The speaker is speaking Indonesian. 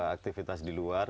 aktivitas di luar